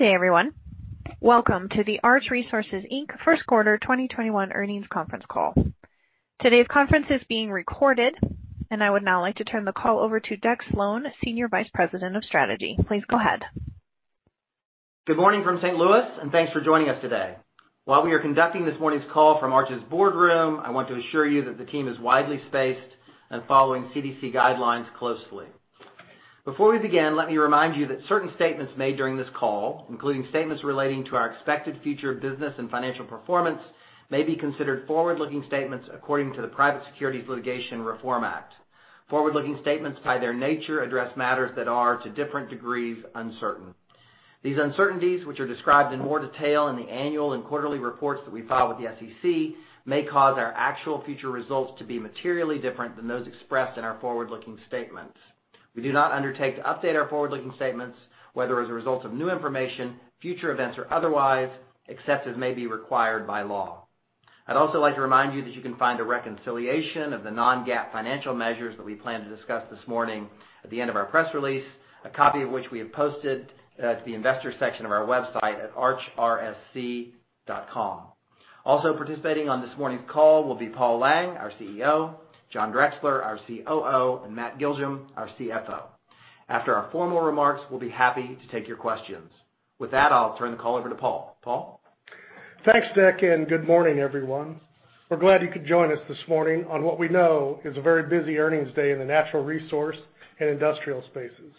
Good day, everyone. Welcome to the Arch Resources, Inc. first quarter 2021 earnings conference call. Today's conference is being recorded, and I would now like to turn the call over to Deck Slone, Senior Vice President of Strategy. Please go ahead. Good morning from St. Louis, and thanks for joining us today. While we are conducting this morning's call from Arch's boardroom, I want to assure you that the team is widely spaced and following CDC guidelines closely. Before we begin, let me remind you that certain statements made during this call, including statements relating to our expected future business and financial performance, may be considered forward-looking statements according to the Private Securities Litigation Reform Act. Forward-looking statements, by their nature, address matters that are, to different degrees, uncertain. These uncertainties, which are described in more detail in the annual and quarterly reports that we file with the SEC, may cause our actual future results to be materially different than those expressed in our forward-looking statements. We do not undertake to update our forward-looking statements, whether as a result of new information, future events, or otherwise, except as may be required by law. I'd also like to remind you that you can find a reconciliation of the non-GAAP financial measures that we plan to discuss this morning at the end of our press release, a copy of which we have posted to the investors section of our website at archrsc.com. Also participating on this morning's call will be Paul Lang, our CEO, John Drexler, our COO, and Matt Giljum, our CFO. After our formal remarks, we'll be happy to take your questions. With that, I'll turn the call over to Paul. Paul? Thanks, Deck. Good morning, everyone. We're glad you could join us this morning on what we know is a very busy earnings day in the natural resource and industrial spaces.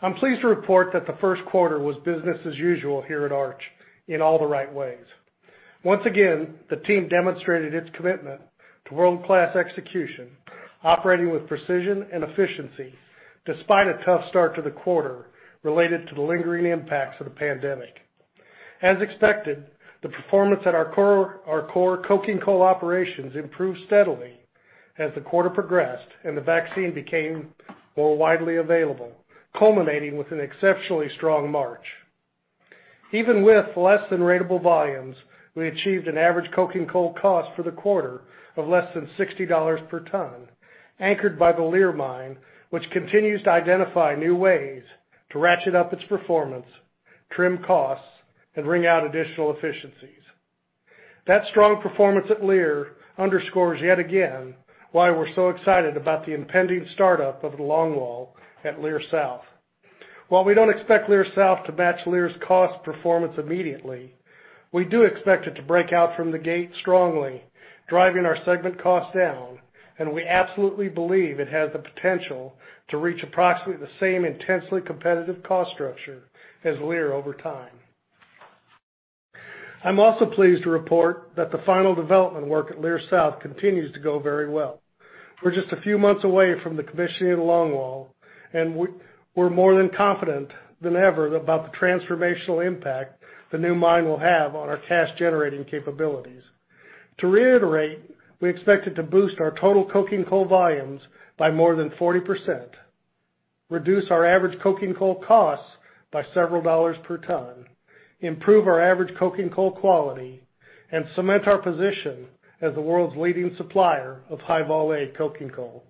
I'm pleased to report that the first quarter was business as usual here at Arch in all the right ways. Once again, the team demonstrated its commitment to world-class execution, operating with precision and efficiency despite a tough start to the quarter related to the lingering impacts of the pandemic. As expected, the performance at our core coking coal operations improved steadily as the quarter progressed and the vaccine became more widely available, culminating with an exceptionally strong March. Even with less than ratable volumes, we achieved an average coking coal cost for the quarter of less than $60 per ton, anchored by the Leer Mine, which continues to identify new ways to ratchet up its performance, trim costs, and wring out additional efficiencies. That strong performance at Leer underscores yet again why we're so excited about the impending startup of the longwall at Leer South. While we don't expect Leer South to match Leer's cost performance immediately, we do expect it to break out from the gate strongly, driving our segment costs down, and we absolutely believe it has the potential to reach approximately the same intensely competitive cost structure as Leer over time. I'm also pleased to report that the final development work at Leer South continues to go very well. We're just a few months away from the commissioning of the longwall, and we're more than confident than ever about the transformational impact the new mine will have on our cash-generating capabilities. To reiterate, we expect it to boost our total coking coal volumes by more than 40%, reduce our average coking coal costs by several dollars per ton, improve our average coking coal quality, and cement our position as the world's leading supplier of High-Vol A coking coal.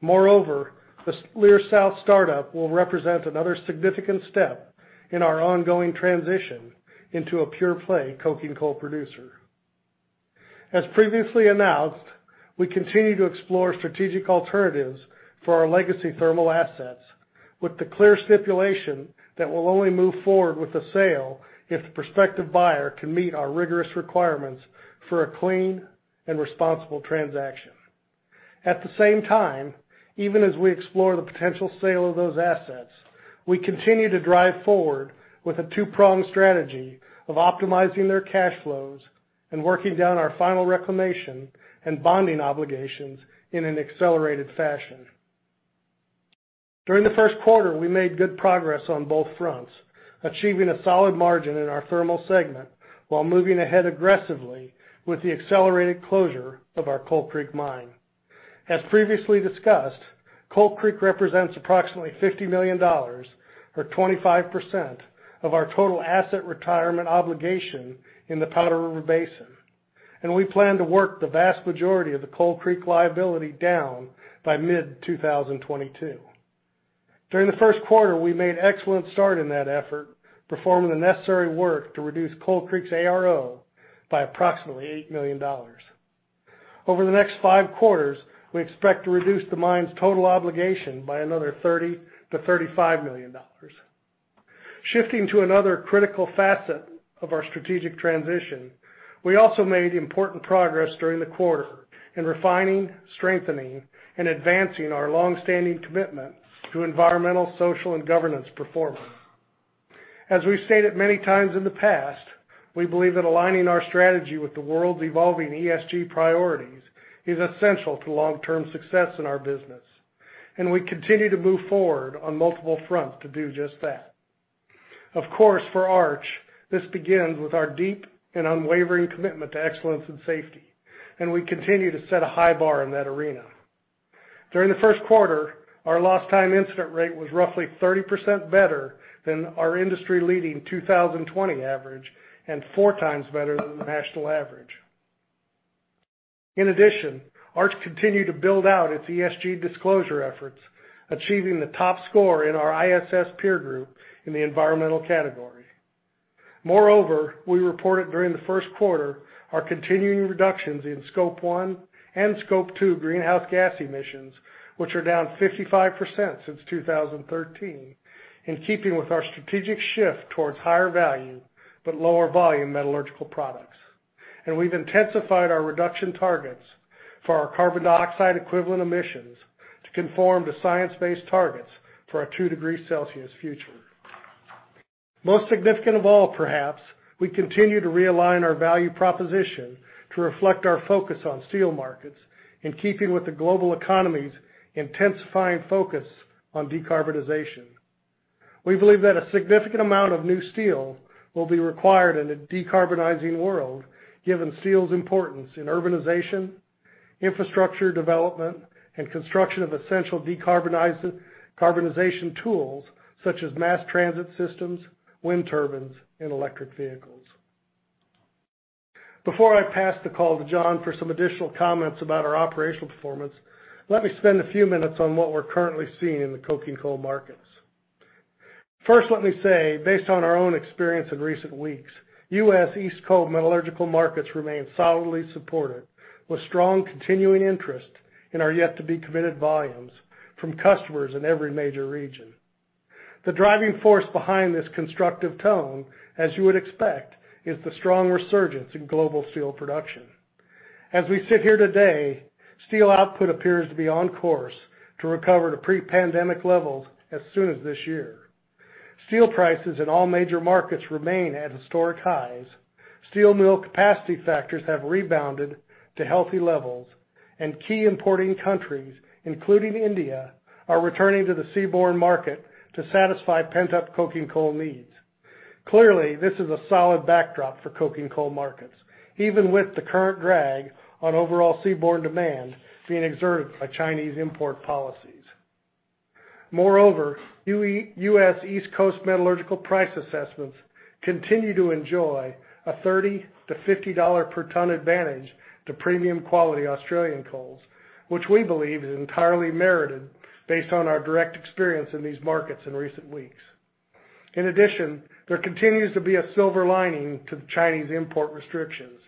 Moreover, this Leer South startup will represent another significant step in our ongoing transition into a pure-play coking coal producer. As previously announced, we continue to explore strategic alternatives for our legacy thermal assets with the clear stipulation that we'll only move forward with the sale if the prospective buyer can meet our rigorous requirements for a clean and responsible transaction. At the same time, even as we explore the potential sale of those assets, we continue to drive forward with a two-pronged strategy of optimizing their cash flows and working down our final reclamation and bonding obligations in an accelerated fashion. During the first quarter, we made good progress on both fronts, achieving a solid margin in our thermal segment while moving ahead aggressively with the accelerated closure of our Coal Creek Mine. As previously discussed, Coal Creek represents approximately $50 million or 25% of our total asset retirement obligation in the Powder River Basin. We plan to work the vast majority of the Coal Creek liability down by mid-2022. During the first quarter, we made an excellent start in that effort, performing the necessary work to reduce Coal Creek's ARO by approximately $8 million. Over the next five quarters, we expect to reduce the mine's total obligation by another $30 million-$35 million. Shifting to another critical facet of our strategic transition, we also made important progress during the quarter in refining, strengthening, and advancing our long-standing commitment to environmental, social, and governance performance. As we've stated many times in the past, we believe that aligning our strategy with the world's evolving ESG priorities is essential to long-term success in our business, and we continue to move forward on multiple fronts to do just that. Of course, for Arch, this begins with our deep and unwavering commitment to excellence and safety, and we continue to set a high bar in that arena. During the first quarter, our lost time incident rate was roughly 30% better than our industry-leading 2020 average and four times better than the national average. Arch continued to build out its ESG disclosure efforts, achieving the top score in our ISS peer group in the environmental category. We reported during the first quarter our continuing reductions in Scope 1 and Scope 2 greenhouse gas emissions, which are down 55% since 2013, in keeping with our strategic shift towards higher value, but lower volume metallurgical products. We've intensified our reduction targets for our carbon dioxide equivalent emissions to conform to science-based targets for a two degrees Celsius future. Most significant of all, perhaps, we continue to realign our value proposition to reflect our focus on steel markets, in keeping with the global economy's intensifying focus on decarbonization. We believe that a significant amount of new steel will be required in a decarbonizing world, given steel's importance in urbanization, infrastructure development, and construction of essential decarbonization tools such as mass transit systems, wind turbines, and electric vehicles. Before I pass the call to John for some additional comments about our operational performance, let me spend a few minutes on what we're currently seeing in the coking coal markets. First, let me say, based on our own experience in recent weeks, U.S. East Coast metallurgical markets remain solidly supported with strong continuing interest in our yet-to-be-committed volumes from customers in every major region. The driving force behind this constructive tone, as you would expect, is the strong resurgence in global steel production. As we sit here today, steel output appears to be on course to recover to pre-pandemic levels as soon as this year. Steel prices in all major markets remain at historic highs. Steel mill capacity factors have rebounded to healthy levels, and key importing countries, including India, are returning to the seaborne market to satisfy pent-up coking coal needs. Clearly, this is a solid backdrop for coking coal markets, even with the current drag on overall seaborne demand being exerted by Chinese import policies. Moreover, U.S. East Coast metallurgical price assessments continue to enjoy a $30-$50 per ton advantage to premium quality Australian coals, which we believe is entirely merited based on our direct experience in these markets in recent weeks. In addition, there continues to be a silver lining to the Chinese import restrictions.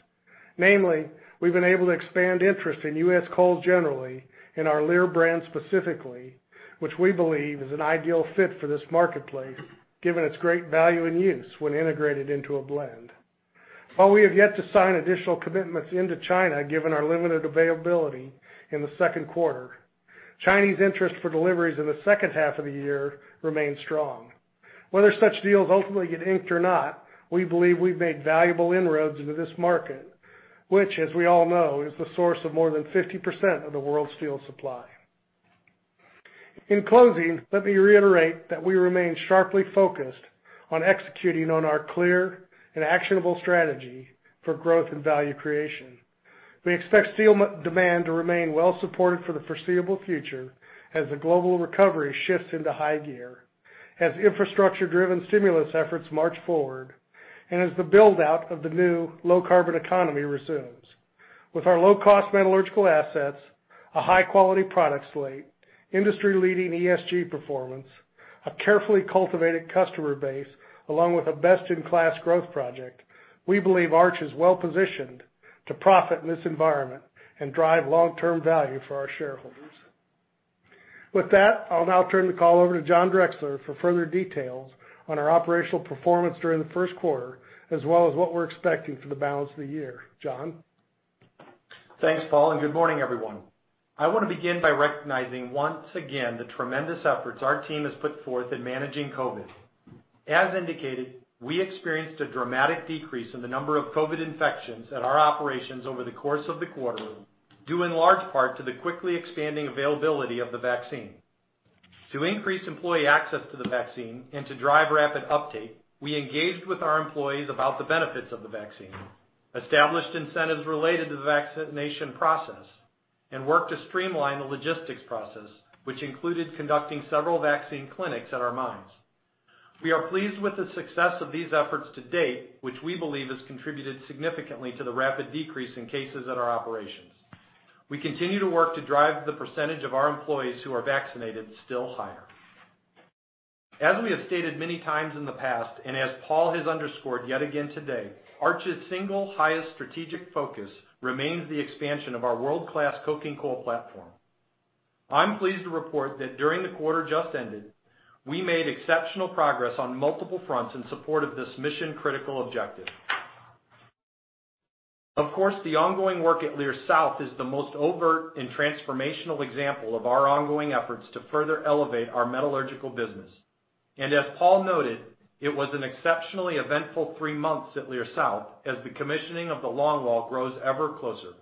Namely, we've been able to expand interest in U.S. coal generally, and our Leer brand specifically, which we believe is an ideal fit for this marketplace given its great value and use when integrated into a blend. While we have yet to sign additional commitments into China given our limited availability in the second quarter, Chinese interest for deliveries in the second half of the year remains strong. Whether such deals ultimately get inked or not, we believe we've made valuable inroads into this market, which, as we all know, is the source of more than 50% of the world's steel supply. In closing, let me reiterate that we remain sharply focused on executing on our clear and actionable strategy for growth and value creation. We expect steel demand to remain well supported for the foreseeable future as the global recovery shifts into high gear, as infrastructure-driven stimulus efforts march forward, and as the build-out of the new low-carbon economy resumes. With our low-cost metallurgical assets, a high-quality product slate, industry-leading ESG performance, a carefully cultivated customer base, along with a best-in-class growth project, we believe Arch is well-positioned to profit in this environment and drive long-term value for our shareholders. With that, I'll now turn the call over to John Drexler for further details on our operational performance during the first quarter, as well as what we're expecting for the balance of the year. John? Thanks, Paul. Good morning, everyone. I want to begin by recognizing once again the tremendous efforts our team has put forth in managing COVID. As indicated, we experienced a dramatic decrease in the number of COVID infections at our operations over the course of the quarter, due in large part to the quickly expanding availability of the vaccine. To increase employee access to the vaccine and to drive rapid uptake, we engaged with our employees about the benefits of the vaccine, established incentives related to the vaccination process, and worked to streamline the logistics process, which included conducting several vaccine clinics at our mines. We are pleased with the success of these efforts to date, which we believe has contributed significantly to the rapid decrease in cases at our operations. We continue to work to drive the percentage of our employees who are vaccinated still higher. As we have stated many times in the past, and as Paul has underscored yet again today, Arch's single highest strategic focus remains the expansion of our world-class coking coal platform. I'm pleased to report that during the quarter just ended, we made exceptional progress on multiple fronts in support of this mission-critical objective. Of course, the ongoing work at Leer South is the most overt and transformational example of our ongoing efforts to further elevate our metallurgical business. As Paul noted, it was an exceptionally eventful three months at Leer South as the commissioning of the longwall grows ever closer.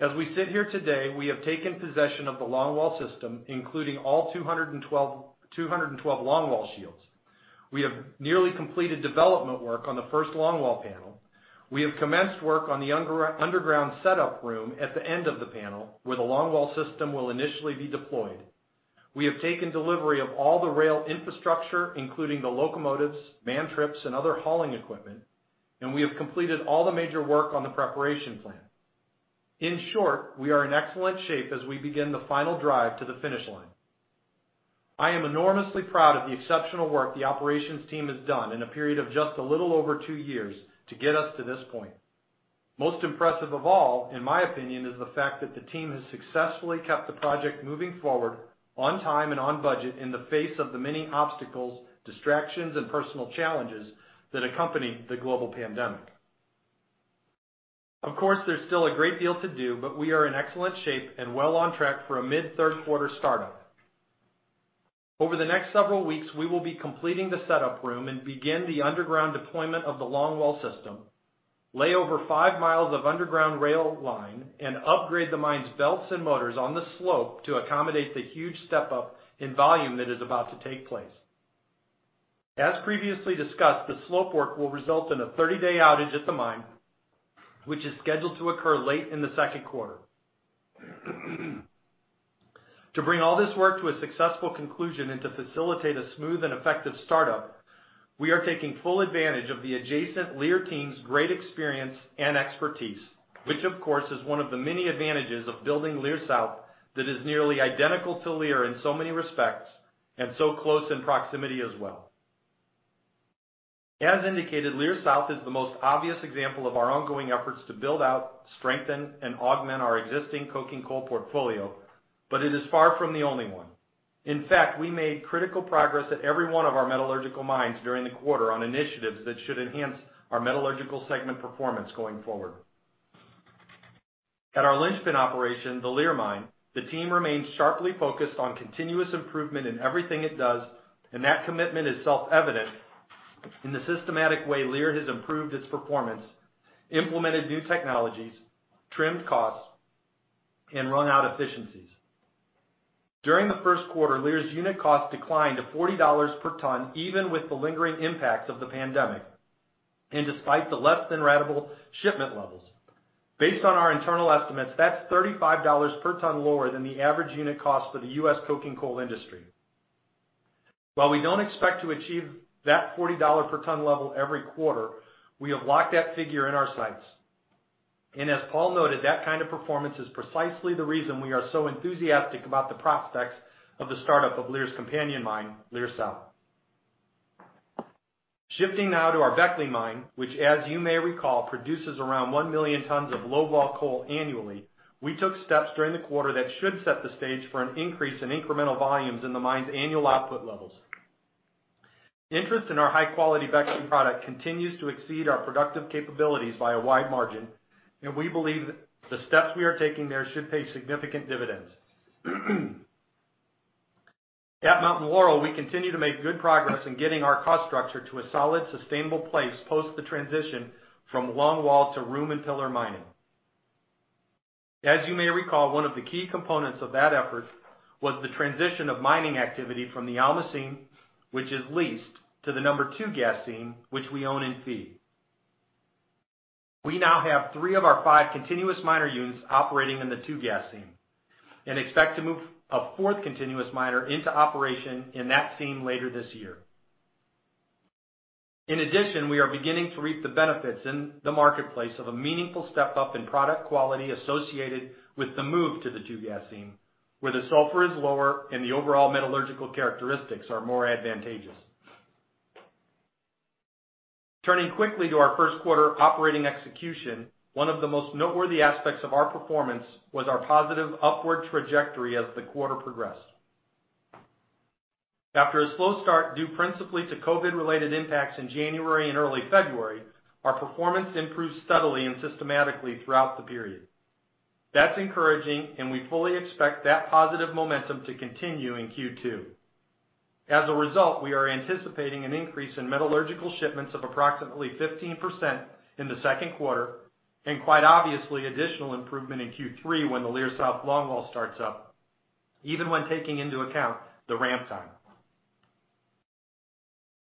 As we sit here today, we have taken possession of the longwall system, including all 212 longwall shields. We have nearly completed development work on the first longwall panel. We have commenced work on the underground setup room at the end of the panel where the longwall system will initially be deployed. We have taken delivery of all the rail infrastructure, including the locomotives, mantrips, and other hauling equipment. We have completed all the major work on the preparation plant. In short, we are in excellent shape as we begin the final drive to the finish line. I am enormously proud of the exceptional work the operations team has done in a period of just a little over two years to get us to this point. Most impressive of all, in my opinion, is the fact that the team has successfully kept the project moving forward on time and on budget in the face of the many obstacles, distractions, and personal challenges that accompany the global pandemic. Of course, there's still a great deal to do, but we are in excellent shape and well on track for a mid-third quarter startup. Over the next several weeks, we will be completing the setup room and begin the underground deployment of the longwall system, lay over five miles of underground rail line, and upgrade the mine's belts and motors on the slope to accommodate the huge step up in volume that is about to take place. As previously discussed, the slope work will result in a 30-day outage at the mine, which is scheduled to occur late in the second quarter. To bring all this work to a successful conclusion and to facilitate a smooth and effective startup, we are taking full advantage of the adjacent Leer team's great experience and expertise, which of course is one of the many advantages of building Leer South that is nearly identical to Leer in so many respects and so close in proximity as well. As indicated, Leer South is the most obvious example of our ongoing efforts to build out, strengthen, and augment our existing coking coal portfolio, but it is far from the only one. In fact, we made critical progress at every one of our metallurgical mines during the quarter on initiatives that should enhance our metallurgical segment performance going forward. At our linchpin operation, the Leer Mine, the team remains sharply focused on continuous improvement in everything it does, and that commitment is self-evident in the systematic way Leer has improved its performance, implemented new technologies, trimmed costs, and rung out efficiencies. During the first quarter, Leer's unit cost declined to $40 per ton, even with the lingering impacts of the pandemic, and despite the less than ratable shipment levels. Based on our internal estimates, that's $35 per ton lower than the average unit cost for the U.S. coking coal industry. While we don't expect to achieve that $40 per ton level every quarter, we have locked that figure in our sights. As Paul noted, that kind of performance is precisely the reason we are so enthusiastic about the prospects of the startup of Leer's companion mine, Leer South. Shifting now to our Beckley Mine, which as you may recall, produces around 1 million tons of Low-Vol coal annually. We took steps during the quarter that should set the stage for an increase in incremental volumes in the mine's annual output levels. Interest in our high-quality Beckley product continues to exceed our productive capabilities by a wide margin, and we believe the steps we are taking there should pay significant dividends. At Mountain Laurel, we continue to make good progress in getting our cost structure to a solid, sustainable place post the transition from longwall to room and pillar mining. As you may recall, one of the key components of that effort was the transition of mining activity from the Alma Seam, which is leased to the No. 2 Gas Seam, which we own in fee. We now have three of our five continuous miner units operating in the No. 2 Gas Seam and expect to move a fourth continuous miner into operation in that seam later this year. In addition, we are beginning to reap the benefits in the marketplace of a meaningful step up in product quality associated with the move to the No. 2 Gas Seam, where the sulfur is lower and the overall metallurgical characteristics are more advantageous. Turning quickly to our first quarter operating execution, one of the most noteworthy aspects of our performance was our positive upward trajectory as the quarter progressed. After a slow start due principally to COVID-related impacts in January and early February, our performance improved steadily and systematically throughout the period. That's encouraging, and we fully expect that positive momentum to continue in Q2. As a result, we are anticipating an increase in metallurgical shipments of approximately 15% in the second quarter, and quite obviously additional improvement in Q3 when the Leer South longwall starts up, even when taking into account the ramp time.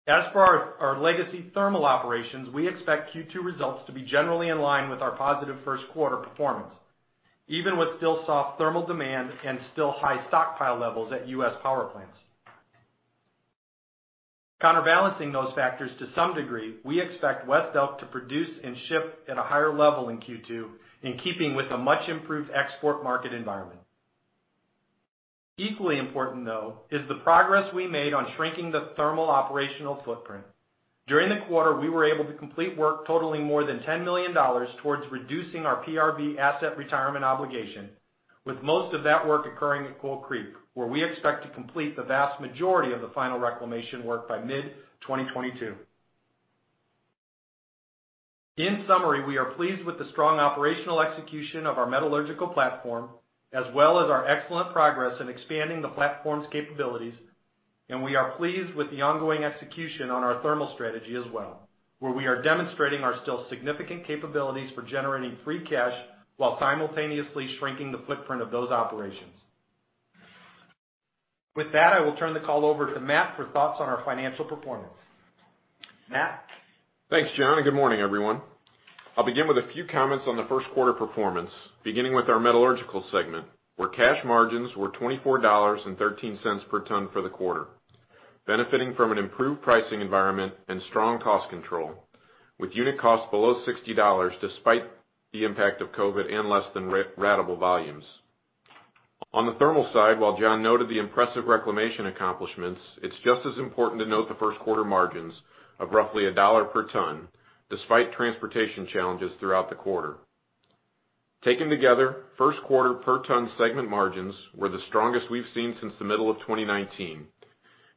As far as our legacy thermal operations, we expect Q2 results to be generally in line with our positive first quarter performance, even with still soft thermal demand and still high stockpile levels at U.S. power plants. Counterbalancing those factors to some degree, we expect West Elk to produce and ship at a higher level in Q2, in keeping with a much-improved export market environment. Equally important, though, is the progress we made on shrinking the thermal operational footprint. During the quarter, we were able to complete work totaling more than $10 million towards reducing our PRB asset retirement obligation. With most of that work occurring at Coal Creek, where we expect to complete the vast majority of the final reclamation work by mid-2022. In summary, we are pleased with the strong operational execution of our metallurgical platform, as well as our excellent progress in expanding the platform's capabilities. We are pleased with the ongoing execution on our thermal strategy as well, where we are demonstrating our still significant capabilities for generating free cash while simultaneously shrinking the footprint of those operations. With that, I will turn the call over to Matt for thoughts on our financial performance. Matt? Thanks, John, and good morning, everyone. I'll begin with a few comments on the first quarter performance, beginning with our metallurgical segment, where cash margins were $24.13 per ton for the quarter, benefiting from an improved pricing environment and strong cost control, with unit cost below $60, despite the impact of COVID and less than ratable volumes. On the thermal side, while John noted the impressive reclamation accomplishments, it's just as important to note the first quarter margins of roughly $1 per ton, despite transportation challenges throughout the quarter. Taken together, first quarter per ton segment margins were the strongest we've seen since the middle of 2019,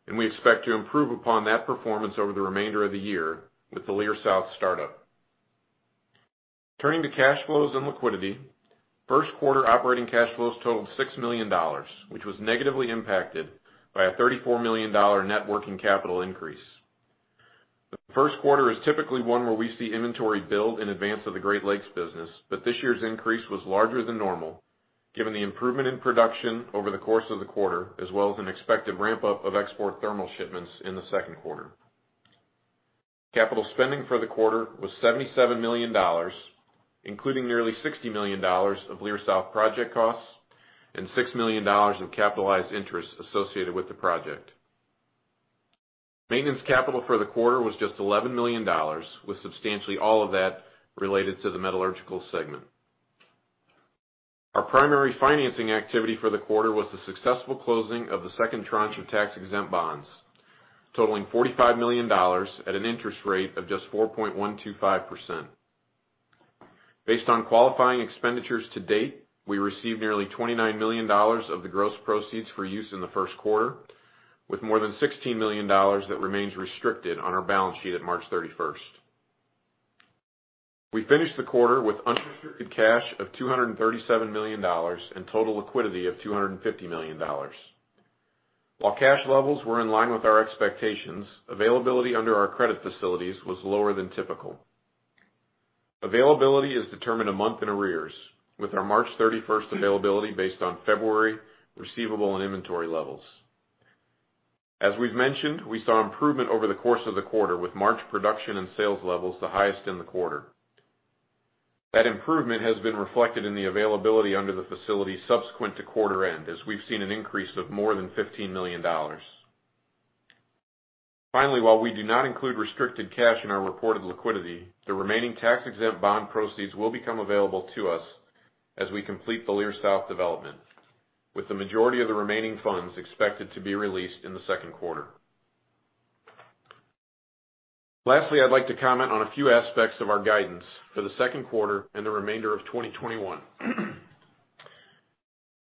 and we expect to improve upon that performance over the remainder of the year with the Leer South startup. Turning to cash flows and liquidity, first quarter operating cash flows totaled $6 million, which was negatively impacted by a $34 million net working capital increase. The first quarter is typically one where we see inventory build in advance of the Great Lakes business, but this year's increase was larger than normal given the improvement in production over the course of the quarter, as well as an expected ramp-up of export thermal shipments in the second quarter. Capital spending for the quarter was $77 million, including nearly $60 million of Leer South project costs and $6 million in capitalized interest associated with the project. Maintenance capital for the quarter was just $11 million, with substantially all of that related to the metallurgical segment. Our primary financing activity for the quarter was the successful closing of the second tranche of tax-exempt bonds, totaling $45 million at an interest rate of just 4.125%. Based on qualifying expenditures to date, we received nearly $29 million of the gross proceeds for use in the first quarter, with more than $16 million that remains restricted on our balance sheet at March 31st. We finished the quarter with unrestricted cash of $237 million and total liquidity of $250 million. While cash levels were in line with our expectations, availability under our credit facilities was lower than typical. Availability is determined a month in arrears with our March 31st availability based on February receivable and inventory levels. As we've mentioned, we saw improvement over the course of the quarter, with March production and sales levels the highest in the quarter. That improvement has been reflected in the availability under the facility subsequent to quarter end, as we've seen an increase of more than $15 million. Finally, while we do not include restricted cash in our reported liquidity, the remaining tax-exempt bond proceeds will become available to us as we complete the Leer South development, with the majority of the remaining funds expected to be released in the second quarter. Lastly, I'd like to comment on a few aspects of our guidance for the second quarter and the remainder of 2021.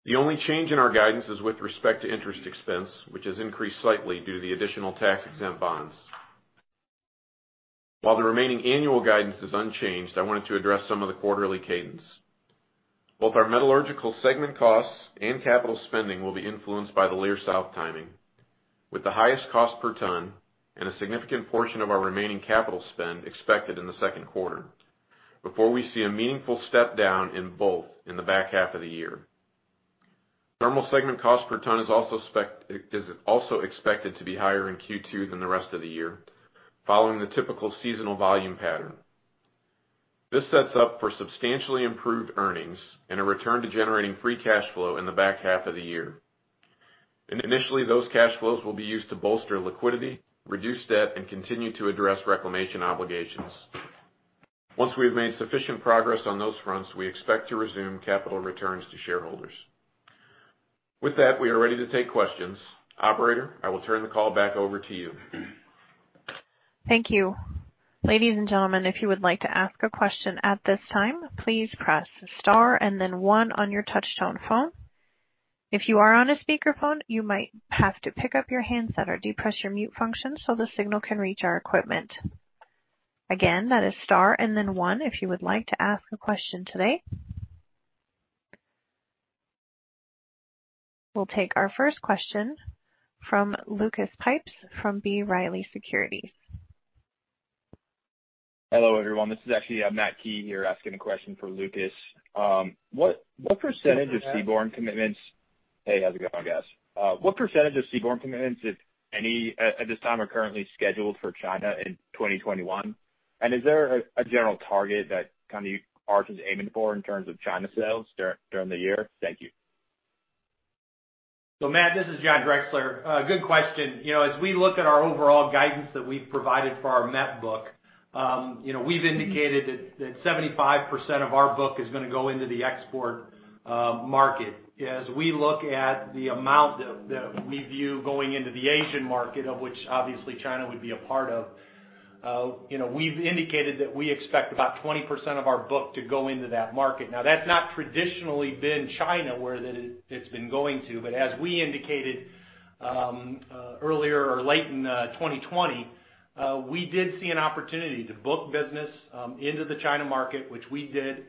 The only change in our guidance is with respect to interest expense, which has increased slightly due to the additional tax-exempt bonds. While the remaining annual guidance is unchanged, I wanted to address some of the quarterly cadence. Both our metallurgical segment costs and capital spending will be influenced by the Leer South timing, with the highest cost per ton and a significant portion of our remaining capital spend expected in the second quarter, before we see a meaningful step down in both in the back half of the year. Thermal segment cost per ton is also expected to be higher in Q2 than the rest of the year, following the typical seasonal volume pattern. This sets up for substantially improved earnings and a return to generating free cash flow in the back half of the year. Initially, those cash flows will be used to bolster liquidity, reduce debt, and continue to address reclamation obligations. Once we have made sufficient progress on those fronts, we expect to resume capital returns to shareholders. With that, we are ready to take questions. Operator, I will turn the call back over to you. Thank you. Ladies and gentlemen, if you would like to ask a question at this time, please press star and then one on your touch-tone phone. If you are on a speakerphone, you might have to pick up your handset or depress your mute function so the signal can reach our equipment. Again, that is star and then one if you would like to ask a question today. We'll take our first question from Lucas Pipes from B. Riley Securities. Hello, everyone. This is actually Matt Key here asking a question for Lucas. Go for it, Matt. Hey, how's it going, guys? What percentage of seaborne commitments, if any, at this time are currently scheduled for China in 2021? Is there a general target that kind of Arch is aiming for in terms of China sales during the year? Thank you. Matt, this is John Drexler. Good question. As we look at our overall guidance that we've provided for our met book, we've indicated that 75% of our book is going to go into the export market. As we look at the amount that we view going into the Asian market, of which obviously China would be a part of, we've indicated that we expect about 20% of our book to go into that market. That's not traditionally been China where it's been going to, but as we indicated earlier or late in 2020, we did see an opportunity to book business into the China market, which we did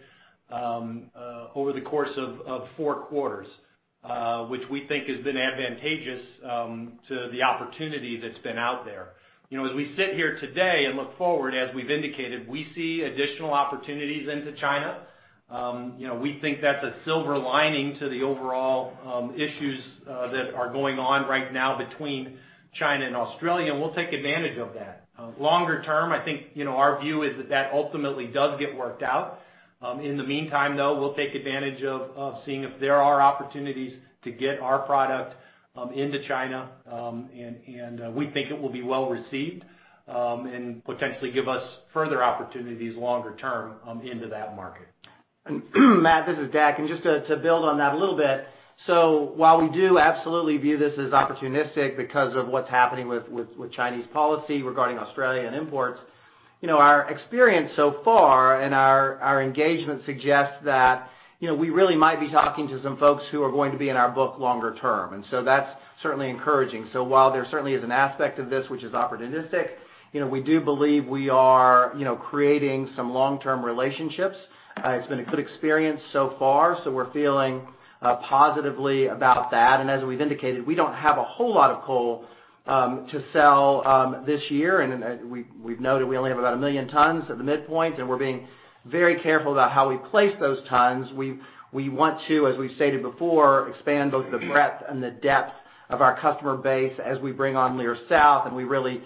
over the course of four quarters, which we think has been advantageous to the opportunity that's been out there. As we sit here today and look forward, as we've indicated, we see additional opportunities into China. We think that's a silver lining to the overall issues that are going on right now between China and Australia, and we'll take advantage of that. Longer term, I think our view is that that ultimately does get worked out. In the meantime, though, we'll take advantage of seeing if there are opportunities to get our product into China. We think it will be well-received and potentially give us further opportunities longer term into that market. Matt, this is Deck. Just to build on that a little bit. While we do absolutely view this as opportunistic because of what's happening with Chinese policy regarding Australian imports. Our experience so far and our engagement suggests that we really might be talking to some folks who are going to be in our book longer term. That's certainly encouraging. While there certainly is an aspect of this which is opportunistic, we do believe we are creating some long-term relationships. It's been a good experience so far, so we're feeling positively about that. As we've indicated, we don't have a whole lot of coal to sell this year, and we've noted we only have about a million tons at the midpoint, and we're being very careful about how we place those tons. We want to, as we stated before, expand both the breadth and the depth of our customer base as we bring on Leer South and we really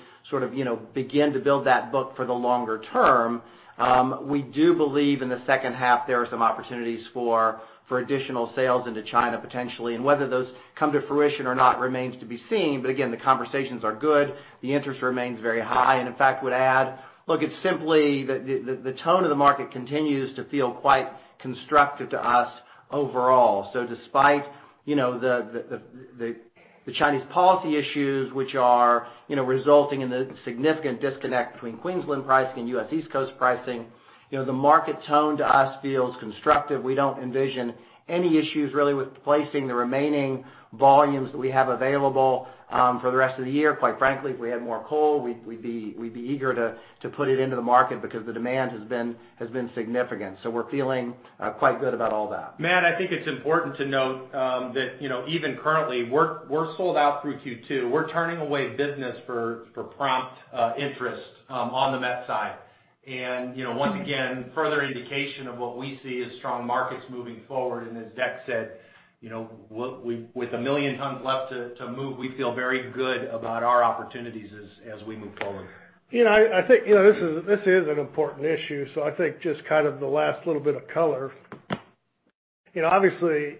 begin to build that book for the longer term. We do believe in the second half there are some opportunities for additional sales into China, potentially, and whether those come to fruition or not remains to be seen. Again, the conversations are good. The interest remains very high. In fact, would add, look, it's simply the tone of the market continues to feel quite constructive to us overall. Despite the Chinese policy issues, which are resulting in the significant disconnect between Queensland pricing and U.S. East Coast pricing. The market tone to us feels constructive. We don't envision any issues really with placing the remaining volumes that we have available for the rest of the year. Quite frankly, if we had more coal, we'd be eager to put it into the market because the demand has been significant. We're feeling quite good about all that. Matt, I think it's important to note that even currently we're sold out through Q2. We're turning away business for prompt interest on the met side, once again, further indication of what we see as strong markets moving forward. As Deck said with a million tons left to move, we feel very good about our opportunities as we move forward. I think this is an important issue. I think just the last little bit of color. Obviously,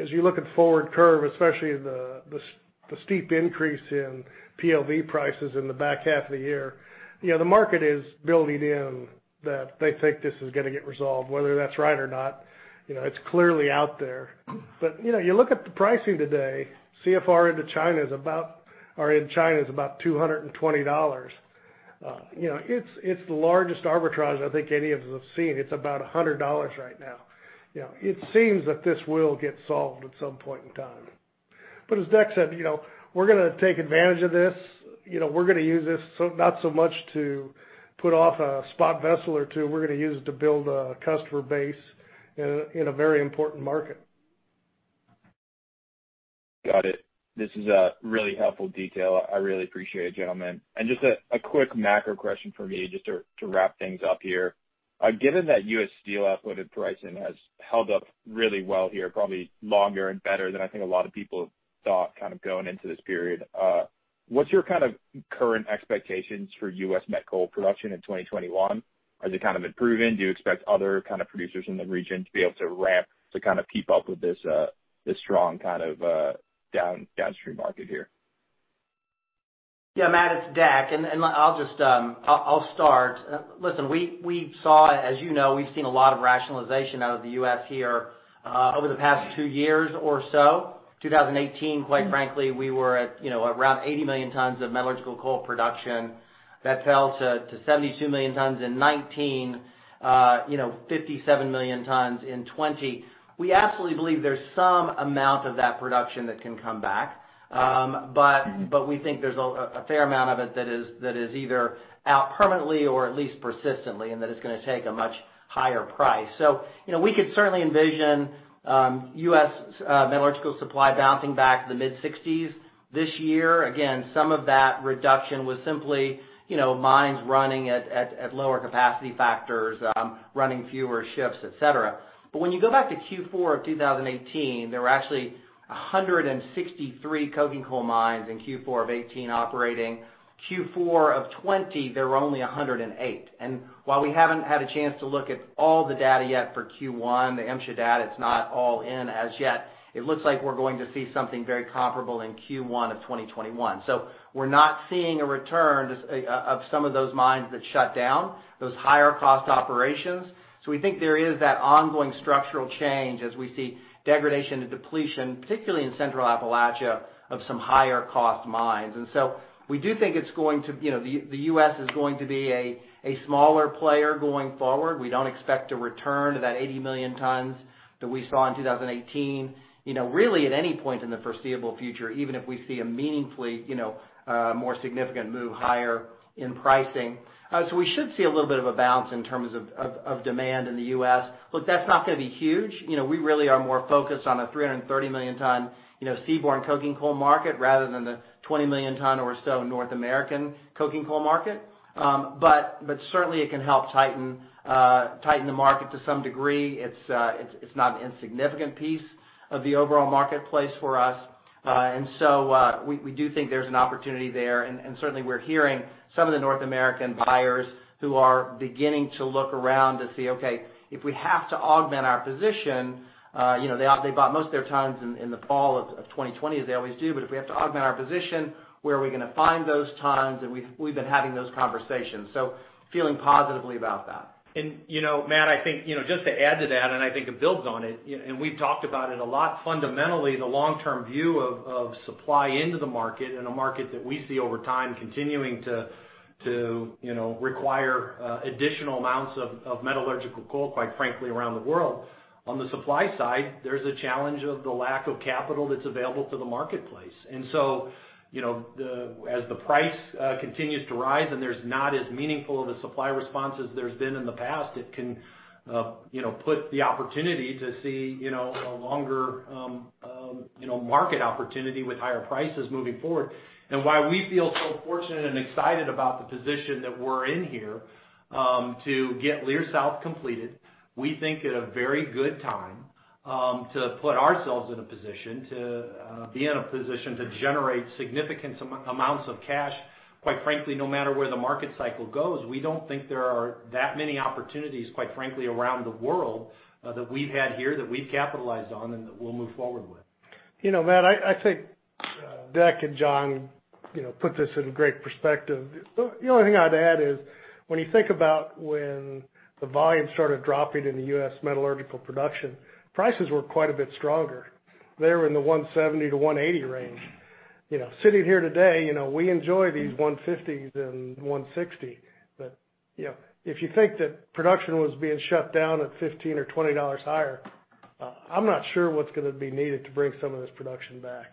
as you look at forward curve, especially the steep increase in PLV prices in the back half of the year, the market is building in that they think this is going to get resolved. Whether that's right or not, it's clearly out there. You look at the pricing today, CFR into China is about $220. It's the largest arbitrage I think any of us have seen. It's about $100 right now. It seems that this will get solved at some point in time. As Deck said, we're going to take advantage of this. We're going to use this, not so much to put off a spot vessel or two. We're going to use it to build a customer base in a very important market. Got it. This is a really helpful detail. I really appreciate it, gentlemen. Just a quick macro question from me just to wrap things up here. Given that U.S. Steel offloaded pricing has held up really well here, probably longer and better than I think a lot of people thought going into this period. What's your current expectations for U.S. met coal production in 2021? Has it kind of improved? Do you expect other producers in the region to be able to ramp to keep up with this strong downstream market here? Yeah, Matt, it's Deck, I'll start. Listen, we saw, as you know, we've seen a lot of rationalization out of the U.S. here over the past two years or so. 2018, quite frankly, we were at around 80 million tons of metallurgical coal production. That fell to 72 million tons in 2019, 57 million tons in 2020. We absolutely believe there's some amount of that production that can come back. We think there's a fair amount of it that is either out permanently or at least persistently, that it's going to take a much higher price. We could certainly envision U.S. metallurgical supply bouncing back to the mid-60s this year. Again, some of that reduction was simply mines running at lower capacity factors, running fewer shifts, et cetera. When you go back to Q4 of 2018, there were actually 163 coking coal mines in Q4 of 2018 operating. Q4 of 2020, there were only 108. While we haven't had a chance to look at all the data yet for Q1, the MSHA data is not all in as yet. It looks like we're going to see something very comparable in Q1 of 2021. We're not seeing a return of some of those mines that shut down. Those higher cost operations. We think there is that ongoing structural change as we see degradation and depletion, particularly in Central Appalachia, of some higher cost mines. We do think the U.S. is going to be a smaller player going forward. We don't expect a return to that 80 million tons that we saw in 2018 really at any point in the foreseeable future, even if we see a meaningfully more significant move higher in pricing. We should see a little bit of a bounce in terms of demand in the U.S. Look, that's not going to be huge. We really are more focused on a 330-million-ton seaborne coking coal market rather than the 20 million ton or so North American coking coal market. Certainly, it can help tighten the market to some degree. It's not an insignificant piece of the overall marketplace for us. We do think there's an opportunity there, and certainly we're hearing some of the North American buyers who are beginning to look around to see, okay, if we have to augment our position, they bought most of their tons in the fall of 2020, as they always do, but if we have to augment our position, where are we going to find those tons? We've been having those conversations. Feeling positively about that. Matt, I think just to add to that, and I think it builds on it, and we've talked about it a lot, fundamentally the long-term view of supply into the market, in a market that we see over time continuing to require additional amounts of metallurgical coal, quite frankly, around the world. On the supply side, there's a challenge of the lack of capital that's available to the marketplace. As the price continues to rise and there's not as meaningful of a supply response as there's been in the past, it can put the opportunity to see a longer market opportunity with higher prices moving forward. Why we feel so fortunate and excited about the position that we're in here to get Leer South completed, we think at a very good time to put ourselves in a position to be in a position to generate significant amounts of cash, quite frankly, no matter where the market cycle goes. We don't think there are that many opportunities, quite frankly, around the world that we've had here that we've capitalized on and that we'll move forward with. Matt, I think Deck and John put this in great perspective. The only thing I'd add is when you think about when the volume started dropping in the U.S. metallurgical production, prices were quite a bit stronger. They were in the $170-$180 range. Sitting here today, we enjoy these $150s and $160, but if you think that production was being shut down at $15 or $20 higher, I'm not sure what's going to be needed to bring some of this production back.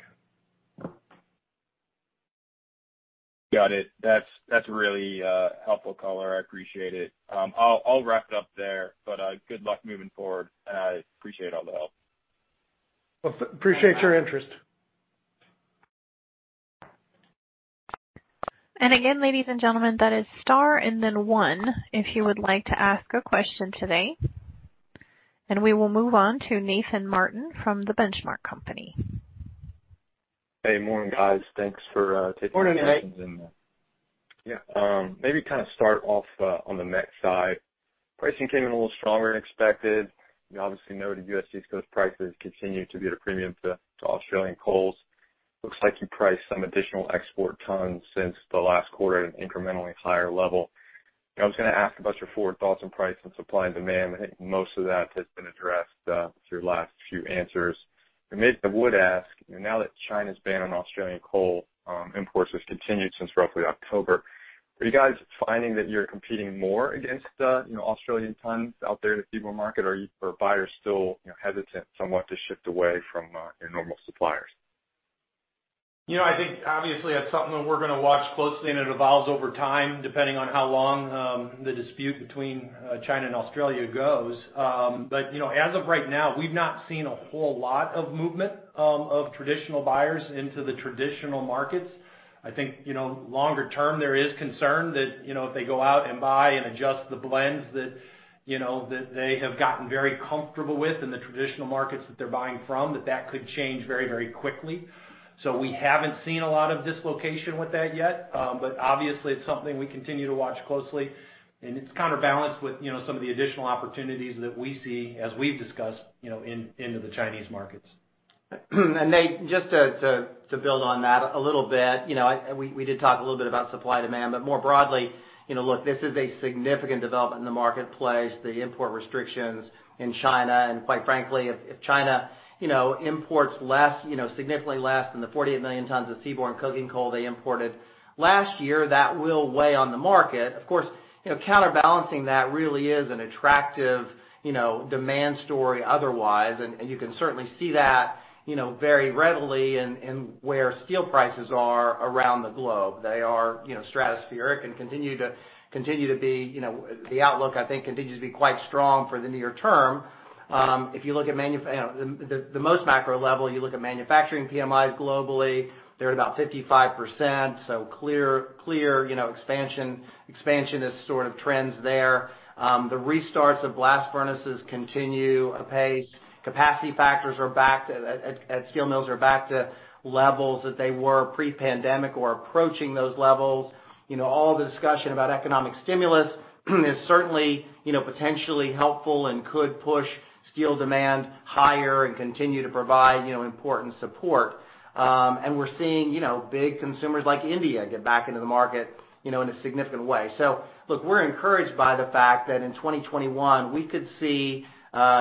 Got it. That's really helpful color. I appreciate it. I'll wrap it up there, but good luck moving forward, and I appreciate all the help. Appreciate your interest. Again, ladies and gentlemen, that is star and then one if you would like to ask a question today. We will move on to Nathan Martin from The Benchmark Company. Hey, morning, guys. Thanks for taking my questions. Morning, Nate. Yeah. Maybe start off on the met side. Pricing came in a little stronger than expected. You obviously noted U.S. East Coast prices continue to be at a premium to Australian coals. Looks like you priced some additional export tons since the last quarter at an incrementally higher level. I was going to ask about your forward thoughts on price and supply and demand, but I think most of that has been addressed through last few answers. I would ask, now that China's ban on Australian coal imports has continued since roughly October, are you guys finding that you're competing more against Australian tons out there in the seaborne market, or are buyers still hesitant somewhat to shift away from their normal suppliers? I think obviously that's something that we're going to watch closely, and it evolves over time, depending on how long the dispute between China and Australia goes. As of right now, we've not seen a whole lot of movement of traditional buyers into the traditional markets. I think longer term, there is concern that if they go out and buy and adjust the blends that they have gotten very comfortable with in the traditional markets that they're buying from, that that could change very quickly. We haven't seen a lot of dislocation with that yet. Obviously, it's something we continue to watch closely, and it's counterbalanced with some of the additional opportunities that we see as we've discussed into the Chinese markets. Nate, just to build on that a little bit. We did talk a little bit about supply demand, more broadly look, this is a significant development in the marketplace, the import restrictions in China, quite frankly, if China imports significantly less than 48 million tons of seaborne coking coal they imported last year, that will weigh on the market. Of course, counterbalancing that really is an attractive demand story otherwise, you can certainly see that very readily in where steel prices are around the globe. They are stratospheric and continue to be. The outlook, I think, continues to be quite strong for the near term. If you look at the most macro level, you look at manufacturing PMI globally, they're at about 55%. Clear expansionist sort of trends there. The restarts of blast furnaces continue apace. Capacity factors at steel mills are back to levels that they were pre-pandemic or approaching those levels. All the discussion about economic stimulus is certainly potentially helpful and could push steel demand higher and continue to provide important support. We're seeing big consumers like India get back into the market in a significant way. Look, we're encouraged by the fact that in 2021,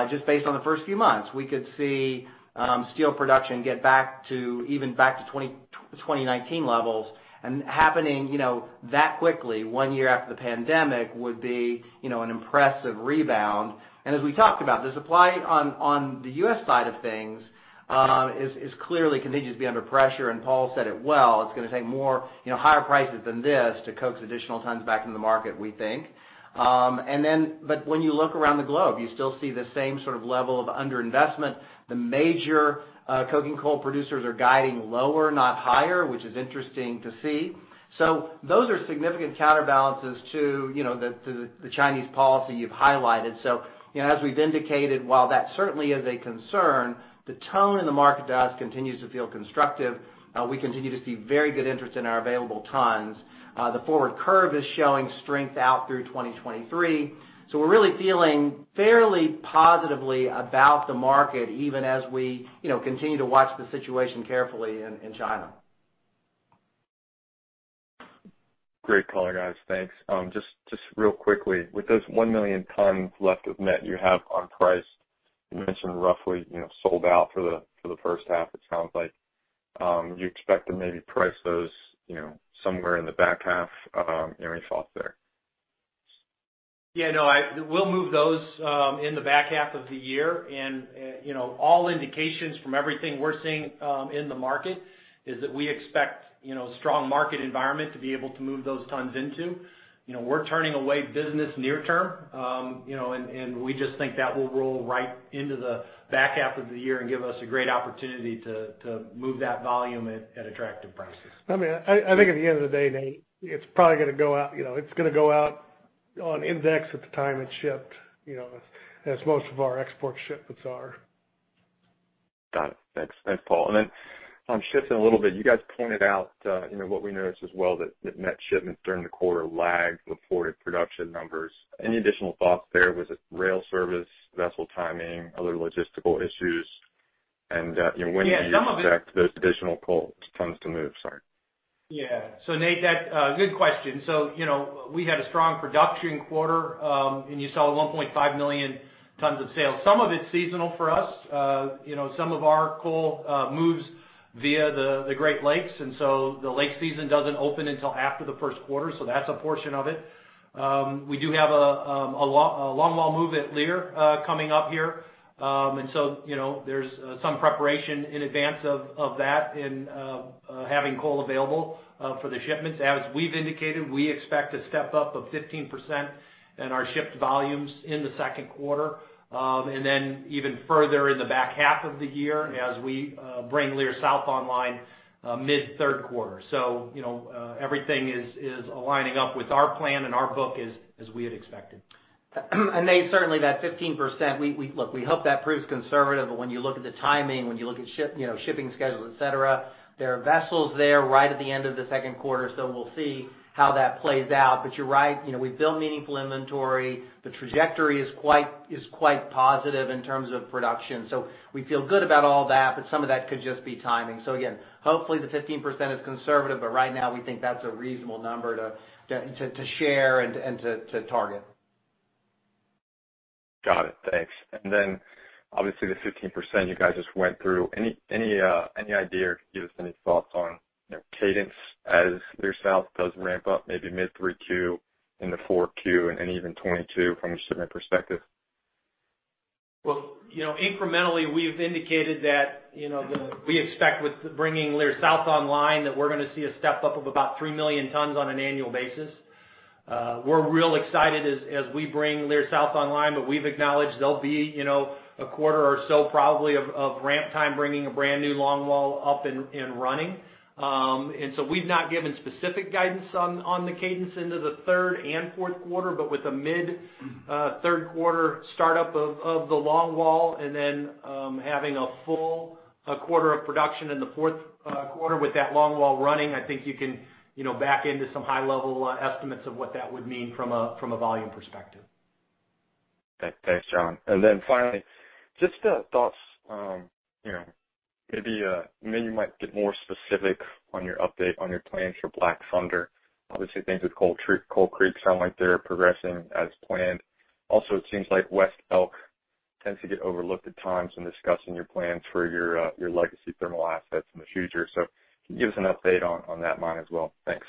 just based on the first few months, we could see steel production get back to even back to 2019 levels. Happening that quickly, one year after the pandemic, would be an impressive rebound. As we talked about, the supply on the U.S. side of things is clearly continues to be under pressure, and Paul said it well. It's going to take more higher prices than this to coax additional tons back into the market, we think. When you look around the globe, you still see the same sort of level of under-investment. The major coking coal producers are guiding lower, not higher, which is interesting to see. Those are significant counterbalances to the Chinese policy you've highlighted. As we've indicated, while that certainly is a concern, the tone in the market to us continues to feel constructive. We continue to see very good interest in our available tons. The forward curve is showing strength out through 2023. We're really feeling fairly positively about the market, even as we continue to watch the situation carefully in China. Great color, guys. Thanks. Just real quickly, with those 1 million tons left of met you have on price, you mentioned roughly sold out for the first half, it sounds like. You expect to maybe price those somewhere in the back half. Any thoughts there? Yeah, no. We'll move those in the back half of the year. All indications from everything we're seeing in the market is that we expect a strong market environment to be able to move those tons into. We're turning away business near-term, and we just think that will roll right into the back half of the year and give us a great opportunity to move that volume at attractive prices. I think at the end of the day, Nate, it's going to go out on index at the time it's shipped, as most of our export shipments are. Got it. Thanks, Paul. Shifting a little bit, you guys pointed out what we noticed as well, that net shipments during the quarter lagged reported production numbers. Any additional thoughts there? Was it rail service, vessel timing, other logistical issues? Yeah, some of it. Do you expect those additional coal tons to move? Sorry. Yeah. Nate, good question. We had a strong production quarter, and you saw a 1.5 million tons of sales. Some of it's seasonal for us. Some of our coal moves via the Great Lakes, and so the lake season doesn't open until after the first quarter, so that's a portion of it. We do have a longwall move at Leer coming up here. There's some preparation in advance of that in having coal available for the shipments. As we've indicated, we expect a step-up of 15% in our shipped volumes in the second quarter. Even further in the back half of the year as we bring Leer South online mid third quarter. Everything is aligning up with our plan and our book as we had expected. Nate, certainly that 15%, look, we hope that proves conservative, but when you look at the timing, when you look at shipping schedules, et cetera, there are vessels there right at the end of the second quarter, we'll see how that plays out. You're right, we've built meaningful inventory. The trajectory is quite positive in terms of production. We feel good about all that, but some of that could just be timing. Again, hopefully the 15% is conservative, but right now we think that's a reasonable number to share and to target. Got it. Thanks. Obviously the 15% you guys just went through. Any idea or could you give us any thoughts on cadence as Leer South does ramp up maybe mid 3Q into 4Q and even 2022 from a shipment perspective? Well, incrementally, we've indicated that we expect with bringing Leer South online, that we're going to see a step-up of about 3 million tons on an annual basis. We're real excited as we bring Leer South online, but we've acknowledged there'll be a quarter or so probably of ramp time bringing a brand-new longwall up and running. We've not given specific guidance on the cadence into the third and fourth quarter, but with a mid-third quarter start-up of the longwall and then having a full quarter of production in the fourth quarter with that longwall running, I think you can back into some high-level estimates of what that would mean from a volume perspective. Okay. Thanks, John. Finally, just the thoughts, maybe you might get more specific on your update on your plans for Black Thunder. Obviously, things with Coal Creek sound like they're progressing as planned. Also, it seems like West Elk tends to get overlooked at times in discussing your plans for your legacy thermal assets in the future. Can you give us an update on that mine as well? Thanks.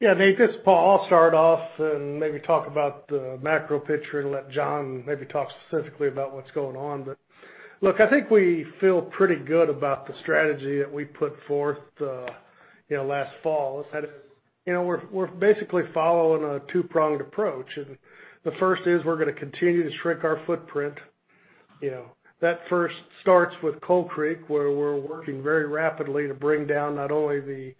Yeah, Nate, this is Paul. I'll start off and maybe talk about the macro picture and let John maybe talk specifically about what's going on. Look, I think we feel pretty good about the strategy that we put forth last fall. We're basically following a two-pronged approach. The first is we're going to continue to shrink our footprint. That first starts with Coal Creek, where we're working very rapidly to bring down not only the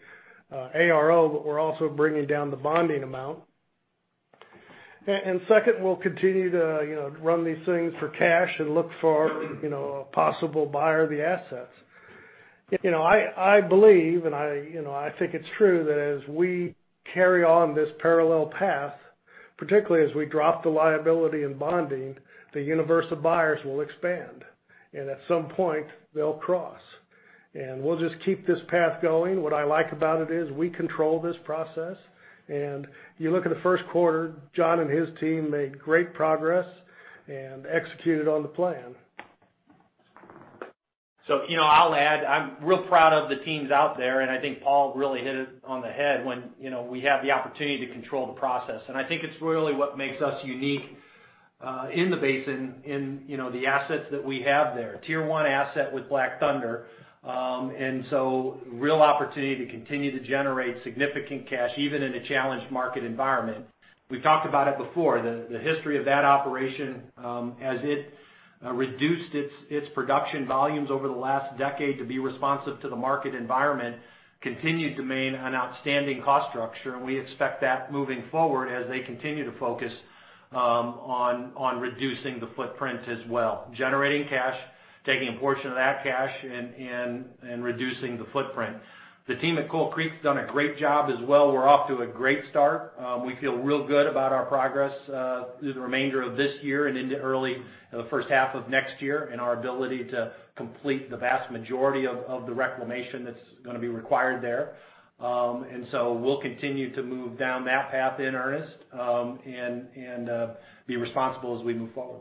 ARO, we're also bringing down the bonding amount. Second, we'll continue to run these things for cash and look for a possible buyer of the assets. I believe, I think it's true, that as we carry on this parallel path, particularly as we drop the liability in bonding, the universe of buyers will expand. At some point they'll cross. We'll just keep this path going. What I like about it is we control this process, and you look at the first quarter, John and his team made great progress and executed on the plan. I'll add, I'm real proud of the teams out there, and I think Paul really hit it on the head when we have the opportunity to control the process. I think it's really what makes us unique in the basin in the assets that we have there. Tier 1 asset with Black Thunder. Real opportunity to continue to generate significant cash even in a challenged market environment. We've talked about it before. The history of that operation, as it reduced its production volumes over the last decade to be responsive to the market environment, continued to maintain an outstanding cost structure, and we expect that moving forward as they continue to focus on reducing the footprint as well. Generating cash, taking a portion of that cash and reducing the footprint. The team at Coal Creek's done a great job as well. We're off to a great start. We feel real good about our progress through the remainder of this year and into early the first half of next year and our ability to complete the vast majority of the reclamation that's going to be required there. We'll continue to move down that path in earnest and be responsible as we move forward.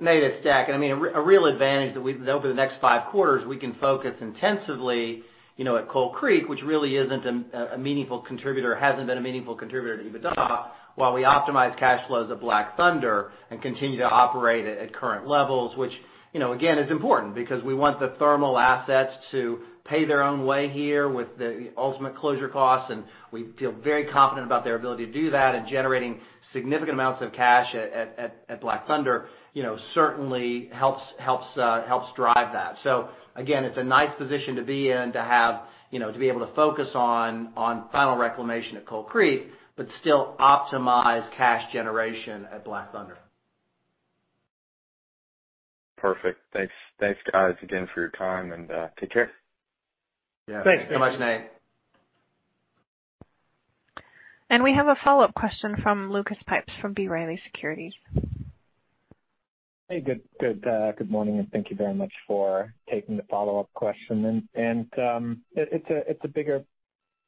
Nate it's Deck. A real advantage that over the next five quarters, we can focus intensively at Coal Creek, which really isn't a meaningful contributor, hasn't been a meaningful contributor to EBITDA, while we optimize cash flows at Black Thunder and continue to operate at current levels, which, again, is important because we want the thermal assets to pay their own way here with the ultimate closure costs. We feel very confident about their ability to do that and generating significant amounts of cash at Black Thunder certainly helps drive that. Again, it's a nice position to be in to be able to focus on final reclamation at Coal Creek, but still optimize cash generation at Black Thunder. Perfect. Thanks guys again for your time, and take care. Yeah. Thanks so much, Nate. We have a follow-up question from Lucas Pipes from B. Riley Securities. Hey, good morning, and thank you very much for taking the follow-up question. It's a bigger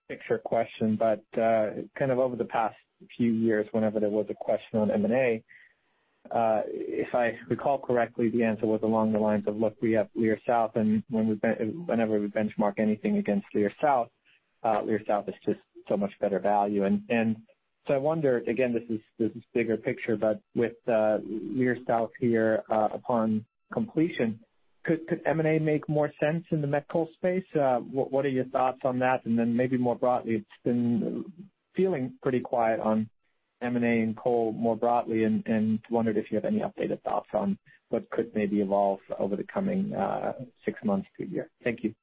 picture question, but kind of over the past few years, whenever there was a question on M&A, if I recall correctly, the answer was along the lines of, look, we have Leer South, and whenever we benchmark anything against Leer South, Leer South is just so much better value. I wonder, again, this is bigger picture, but with Leer South here upon completion, could M&A make more sense in the met coal space? What are your thoughts on that? Maybe more broadly, it's been feeling pretty quiet on M&A and coal more broadly, and wondered if you have any updated thoughts on what could maybe evolve over the coming six months to a year. Thank you.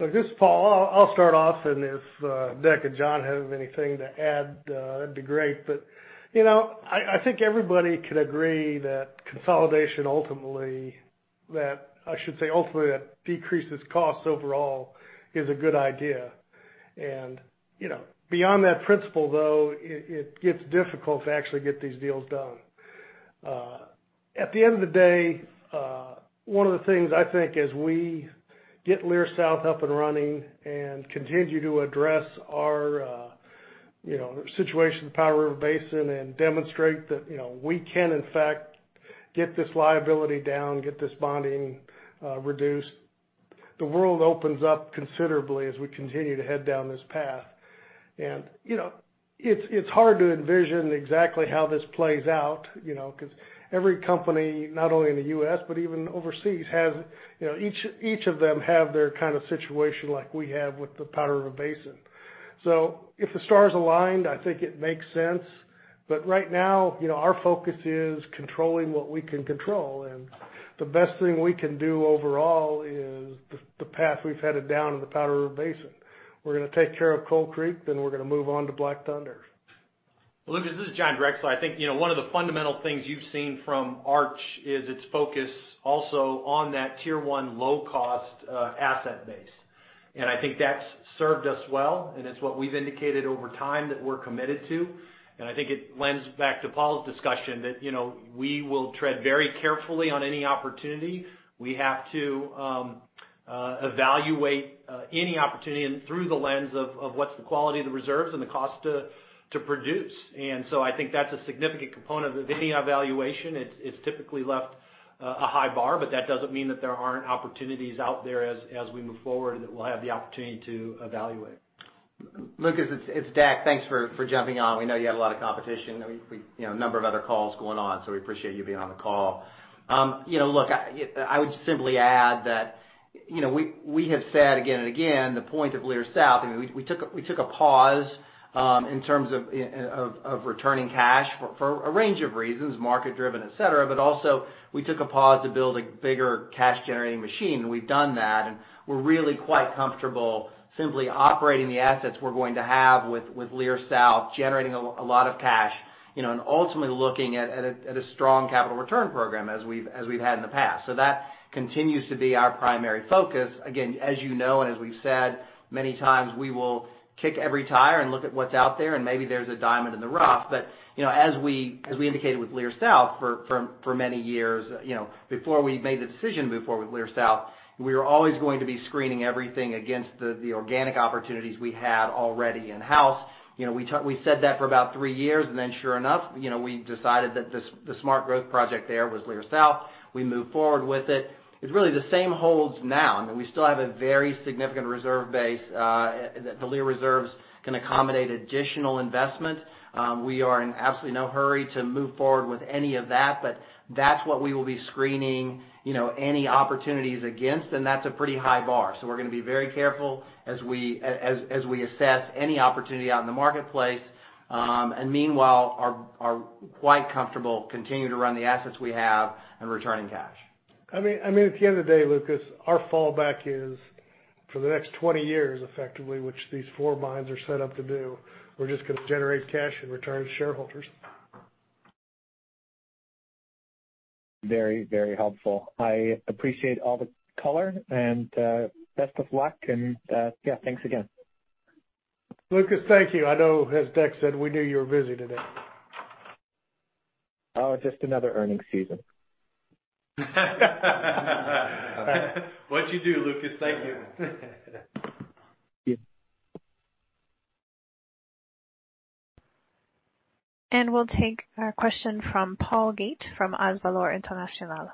Look, this is Paul. I'll start off, and if Deck or John have anything to add, that'd be great. I think everybody could agree that consolidation ultimately that decreases costs overall is a good idea. Beyond that principle though, it gets difficult to actually get these deals done. At the end of the day, one of the things I think as we get Leer South up and running and continue to address our situation at Powder River Basin and demonstrate that we can in fact get this liability down, get this bonding reduced, the world opens up considerably as we continue to head down this path. It's hard to envision exactly how this plays out, because every company, not only in the U.S., but even overseas, each of them have their kind of situation like we have with the Powder River Basin. If the stars aligned, I think it makes sense. Right now, our focus is controlling what we can control. The best thing we can do overall is the path we've headed down in the Powder River Basin. We're going to take care of Coal Creek, then we're going to move on to Black Thunder. Lucas, this is John Drexler. I think one of the fundamental things you've seen from Arch is its focus also on that Tier 1 low-cost asset base. I think that's served us well, and it's what we've indicated over time that we're committed to. I think it lends back to Paul's discussion that we will tread very carefully on any opportunity. We have to evaluate any opportunity and through the lens of what's the quality of the reserves and the cost to produce. I think that's a significant component of any evaluation. It's typically left a high bar, but that doesn't mean that there aren't opportunities out there as we move forward that we'll have the opportunity to evaluate. Lucas, it's Deck. Thanks for jumping on. We know you had a lot of competition. A number of other calls going on, so we appreciate you being on the call. Look, I would simply add that we have said again and again, the point of Leer South, we took a pause in terms of returning cash for a range of reasons, market driven, et cetera. Also, we took a pause to build a bigger cash-generating machine, and we've done that. We're really quite comfortable simply operating the assets we're going to have with Leer South generating a lot of cash, and ultimately looking at a strong capital return program as we've had in the past. That continues to be our primary focus. Again, as you know, and as we've said many times, we will kick every tire and look at what's out there, and maybe there's a diamond in the rough. As we indicated with Leer South for many years before we made the decision before with Leer South, we are always going to be screening everything against the organic opportunities we have already in-house. We said that for about three years, sure enough, we decided that the smart growth project there was Leer South. We moved forward with it. It's really the same holds now. We still have a very significant reserve base. The Leer reserves can accommodate additional investment. We are in absolutely no hurry to move forward with any of that's what we will be screening any opportunities against, that's a pretty high bar. We're going to be very careful as we assess any opportunity out in the marketplace. Meanwhile, are quite comfortable continuing to run the assets we have and returning cash. At the end of the day, Lucas, our fallback is for the next 20 years, effectively, which these four mines are set up to do, we're just going to generate cash and return to shareholders. Very helpful. I appreciate all the color and best of luck. Yeah, thanks again. Lucas, thank you. I know, as Deck said, we knew you were busy today. Oh, just another earning season. What'd you do, Lucas. Thank you. Yeah. We'll take a question from Paul Gait from Azvalor International.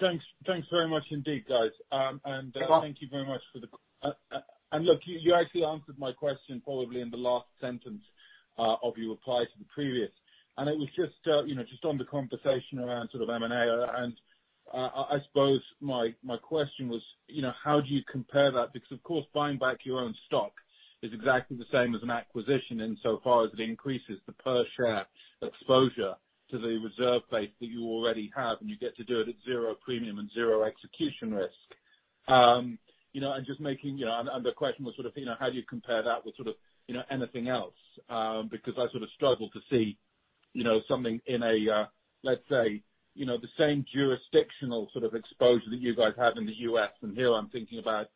Thanks very much indeed, guys. Look, you actually answered my question probably in the last sentence of your reply to the previous. It was just on the conversation around sort of M&A, and I suppose my question was how do you compare that? Because, of course, buying back your own stock is exactly the same as an acquisition in so far as it increases the per share exposure to the reserve base that you already have, and you get to do it at zero premium and zero execution risk. The question was sort of how do you compare that with anything else? Because I sort of struggle to see something in, let's say, the same jurisdictional sort of exposure that you guys have in the U.S. and here I'm thinking about,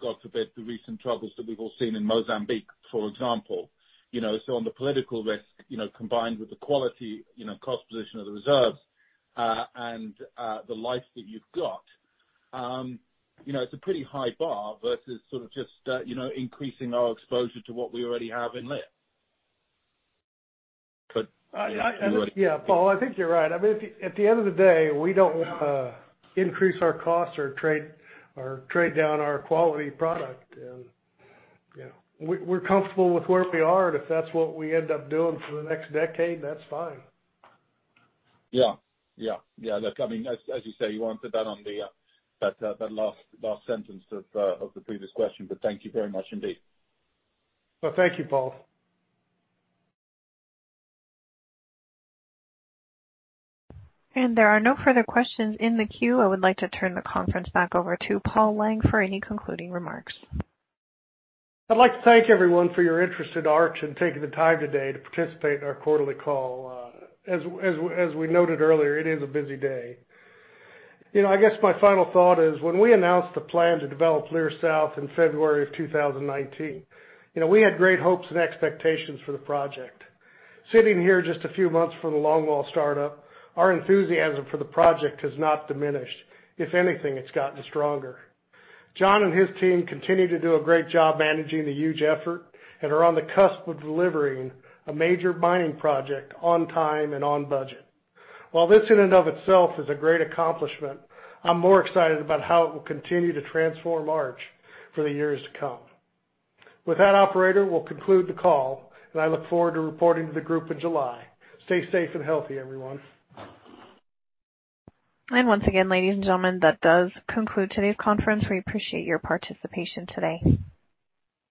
God forbid, the recent troubles that we've all seen in Mozambique, for example. On the political risk, combined with the quality, cost position of the reserves, and the life that you've got, it's a pretty high bar versus sort of just increasing our exposure to what we already have in Leer. Yeah, Paul, I think you're right. I mean, at the end of the day, we don't increase our costs or trade down our quality product. We're comfortable with where we are. If that's what we end up doing for the next decade, that's fine. Yeah. Look, as you say, you answered that on the last sentence of the previous question but thank you very much indeed. Well, thank you, Paul. There are no further questions in the queue. I would like to turn the conference back over to Paul Lang for any concluding remarks. I'd like to thank everyone for your interest in Arch and taking the time today to participate in our quarterly call. As we noted earlier, it is a busy day. I guess my final thought is when we announced the plan to develop Leer South in February of 2019, we had great hopes and expectations for the project. Sitting here just a few months from the longwall startup, our enthusiasm for the project has not diminished. If anything, it's gotten stronger. John and his team continue to do a great job managing the huge effort and are on the cusp of delivering a major mining project on time and on budget. While this in and of itself is a great accomplishment, I'm more excited about how it will continue to transform Arch for the years to come. With that, operator, we'll conclude the call, and I look forward to reporting to the group in July. Stay safe and healthy, everyone. Once again, ladies and gentlemen, that does conclude today's conference. We appreciate your participation today.